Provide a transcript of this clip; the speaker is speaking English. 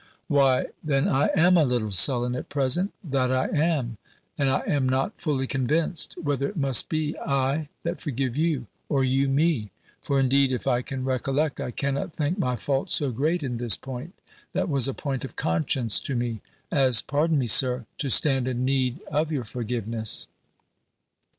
"Why; then I am a little sullen at present, that I am; and I am not fully convinced, whether it must be I that forgive you, or you me. For, indeed, if I can recollect, I cannot think my fault so great in this point, that was a point of conscience to me, as (pardon me Sir), to stand in need of your forgiveness."